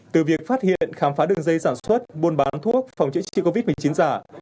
từ việc phát hiện khám phá đường dây sản xuất buôn bán thuốc phòng chữa trị covid một mươi chín giả